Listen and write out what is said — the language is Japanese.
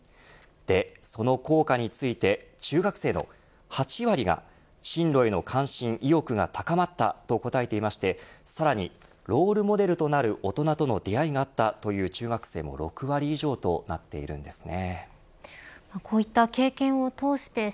で、その効果について中学生の８割が進路への関心、意欲が高まったと答えていましてさらにロールモデルとなる大人との出会いがあったという中学生も６割以上となっているんですね。